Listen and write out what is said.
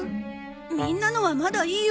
みんなのはまだいいよ。